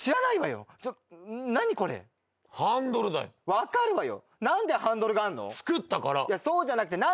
分かるわよ。